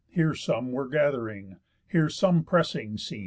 Here some were gath'ring, here some pressing, seen.